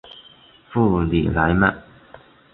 布吕莱迈。